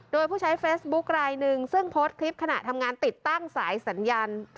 โดยผู้ใช้เฟซบุ๊คลายหนึ่งซึ่งโพสต์คลิปขณะทำงานติดตั้งสายสัญญาณ